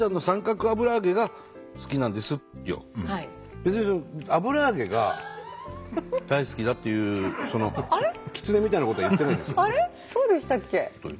別に油揚げが大好きだっていうキツネみたいなことは言ってないんです。